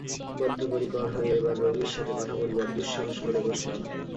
বদ্ধপরিকর হয়ে এবার রোগীর সাথে কথা বলবার দুঃসাহস করে বসলাম।